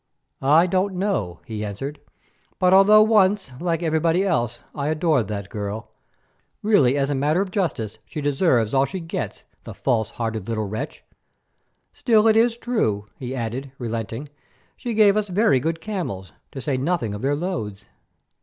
"I don't know," he answered, "but although once, like everybody else, I adored that girl, really as a matter of justice she deserves all she gets, the false hearted little wretch. Still it is true," he added, relenting, "she gave us very good camels, to say nothing of their loads."